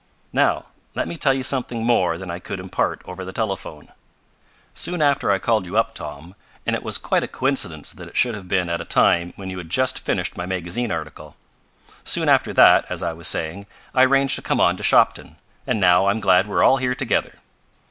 Now let me tell you something more than I could impart over the telephone. "Soon after I called you up, Tom and it was quite a coincidence that it should have been at a time when you had just finished my magazine article. Soon after that, as I was saying, I arranged to come on to Shopton. And now I'm glad we're all here together.